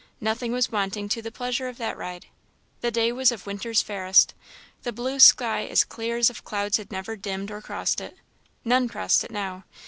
Nothing was wanting to the pleasure of that ride. The day was of winter's fairest; the blue sky as clear as if clouds had never dimmed or crossed it. None crossed it now.